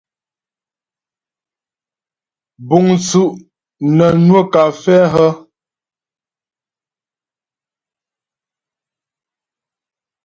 Búŋ tsú' nə́ nwə́ kafɛ́ hə́ ?